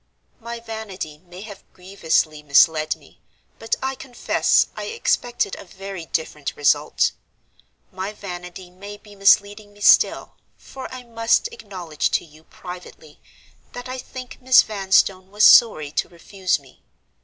"My vanity may have grievously misled me, but I confess I expected a very different result. My vanity may be misleading me still; for I must acknowledge to you privately that I think Miss Vanstone was sorry to refuse me.